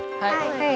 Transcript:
はい。